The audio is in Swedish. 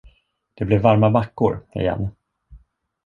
Det blev varma mackor, igen.